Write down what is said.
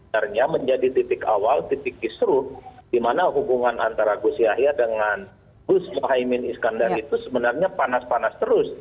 sebenarnya menjadi titik awal titik kisruh di mana hubungan antara gus yahya dengan gus mohaimin iskandar itu sebenarnya panas panas terus